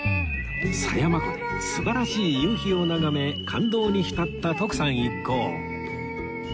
狭山湖で素晴らしい夕日を眺め感動に浸った徳さん一行